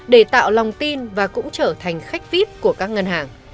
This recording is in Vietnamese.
để tạo lòng tin và cũng trở thành khách vip của các ngân hàng